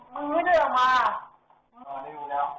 มึงไม่ออกมา